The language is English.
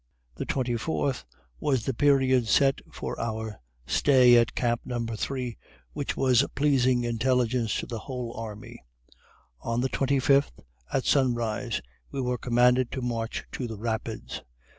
The 24th was the period set for our stay at camp No. 3, which was pleasing intelligence to the whole army. On the 25th, at sunrise, we were commanded to march to the Rapids.